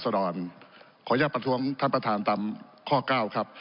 ขออนุญาตประท้วงท่านประธานตามข้อเก้าครับ